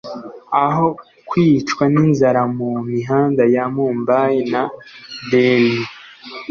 aho kwicwa n' inzara mu mihanda ya mumbai na delhi